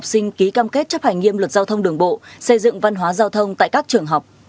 xây dựng văn hóa giao thông tại các trường học